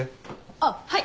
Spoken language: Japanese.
あっはい！